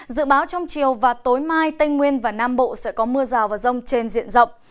dự báo trong chiều và tối mai tây nguyên và nam bộ sẽ có mưa rào và rông trên diện rộng